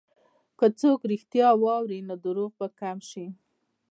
که څوک رښتیا واوري، نو دروغ به کم شي.